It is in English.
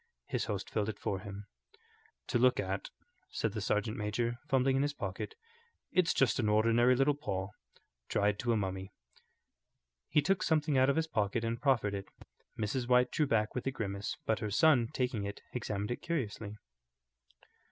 His host filled it for him. "To look at," said the sergeant major, fumbling in his pocket, "it's just an ordinary little paw, dried to a mummy." He took something out of his pocket and proffered it. Mrs. White drew back with a grimace, but her son, taking it, examined it curiously.